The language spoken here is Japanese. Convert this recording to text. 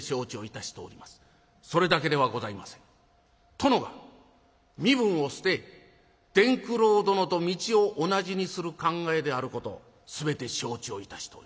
殿が身分を捨て伝九郎殿と道を同じにする考えであること全て承知をいたしております。